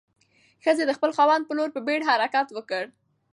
ښځې د خپل خاوند په لور په بیړه حرکت وکړ.